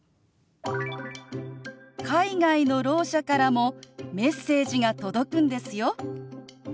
「海外のろう者からもメッセージが届くんですよ」。